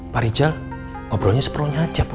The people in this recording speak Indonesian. pak rijal ngobrolnya seperohnya aja bu